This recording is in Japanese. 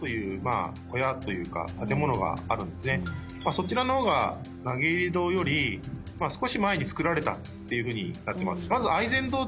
そちらの方が投入堂より少し前に造られたっていうふうになってます。